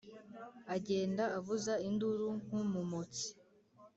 agenda avuza induru nk’umumotsi,